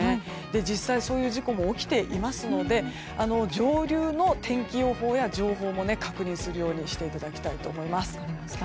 実際、そういう事故も起きていますので上流の天気予報や情報も確認するようにしていただきたいと思います。